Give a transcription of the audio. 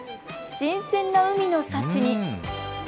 新鮮な海の幸に。